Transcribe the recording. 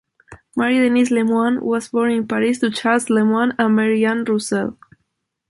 Marie-Denise Lemoine was born in Paris to Charles Lemoine and Marie-Anne Rouselle.